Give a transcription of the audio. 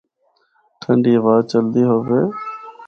ٹھنڈی ہوا چلدی ہُوِّے۔